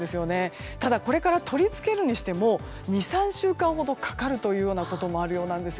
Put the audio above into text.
ただ、これから取り付けるにしても２３週間ほどかかることもあるようなんです。